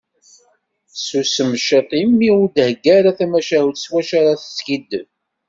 Tessusem ciṭ imi ur d-thegga ara tamacahut s wacu ara teskiddeb.